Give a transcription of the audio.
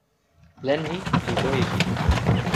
len ni li loje kili.